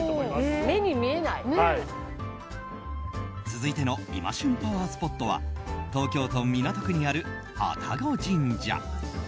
続いての今旬パワースポットは東京都港区にある愛宕神社。